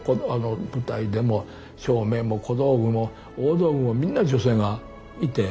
舞台でも照明も小道具も大道具もみんな女性がいて。